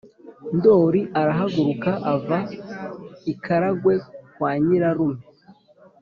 ” ndoli arahaguruka ava i karagwe kwa nyirarume